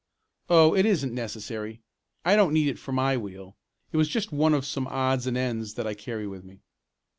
"Oh, it isn't necessary. I don't need it for my wheel. It was just one of some odds and ends that I carry with me."